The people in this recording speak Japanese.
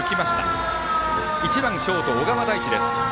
バッター、１番、ショート小川大地です。